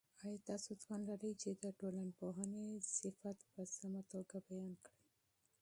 آیا تاسو توان لرئ چې د ټولنپوهنې تعریف په سمه توګه بیان کړئ؟